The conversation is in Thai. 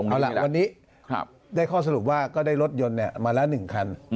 เอาล่ะวันนี้ได้ข้อสรุปว่าก็ได้รถยนต์มาละ๑คัน